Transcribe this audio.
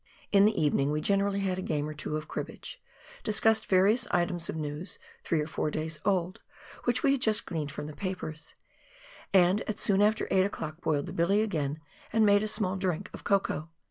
In the evening we generally had a game or two of cribbage, discussed various items of news three or four months old, which we had just gleaned from the papers, and at soon after 8 o'clock boiled the billy again, and made a small drink of cocoa.